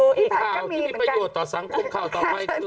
ที่มีประโยชน์ต่อสังคมเขาต่อไว้คือ